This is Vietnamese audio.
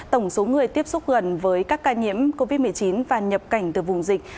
tổng số người tiếp xúc gần với các ca nhiễm covid một mươi chín và nhập cảnh từ vùng dịch